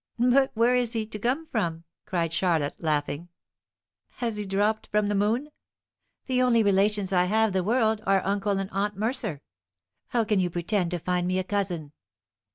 "But where is he to come from?" cried Charlotte, laughing. Has he dropped from the moon? The only relations I have the world are Uncle and Aunt Mercer. How can you pretend to find me a cousin?"